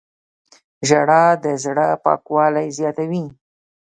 • ژړا د زړه پاکوالی زیاتوي.